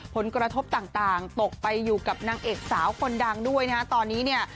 ผลกระทบต่างตกไปอยู่กับนางเอกสาวคนดังด้วยนะฮะตอนนี้เนี่ย